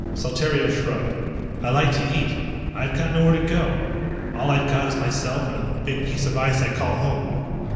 Saltario shrugged. "I like to eat. I've got nowhere to go. All I've got is myself and a big piece of ice I called home."